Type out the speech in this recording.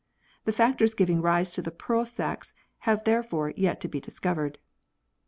The factors giving rise to the pearl sacs have therefore yet to be discovered.